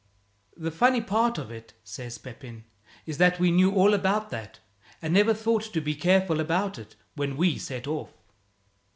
"The funny part of it," says Pepin, "is that we knew all about that, and never thought to be careful about it when we set off."